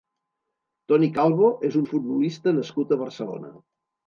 Toni Calvo és un futbolista nascut a Barcelona.